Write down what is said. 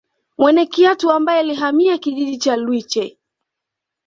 Mwene Kiatu ambaye alihamia kijiji cha Lwiche